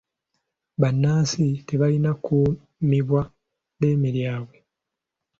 Bannansi tebalina kummibwa ddembe lyabwe.